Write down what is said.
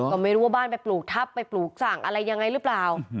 ก็ไม่รู้ว่าบ้านไปปลูกทัพไปปลูกสั่งอะไรยังไงหรือเปล่า